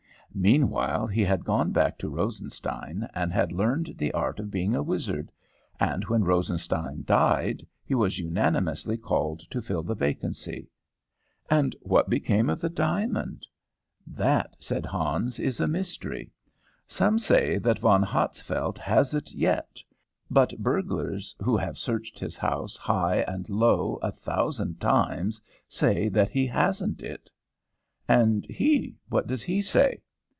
Meanwhile he had gone back to Rosenstein, and had learned the art of being a wizard, and when Rosenstein died he was unanimously called to fill the vacancy." "And what became of the diamond?" "That," said Hans, "is a mystery. Some say that Von Hatzfeldt has it yet, but burglars who have searched his house high and low a thousand times say that he hasn't it." "And he what does he say?"